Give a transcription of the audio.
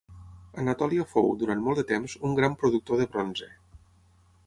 Anatòlia fou, durant molt de temps, un gran productor de bronze.